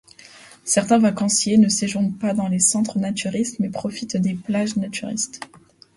Certains vacanciers ne séjournent pas dans les centres naturistes mais profitent des plages naturistes.